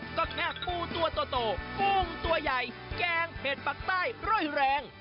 ก็แค่ปูตัวโตกุ้งตัวใหญ่แกงเผ็ดปักใต้ร่อยแรง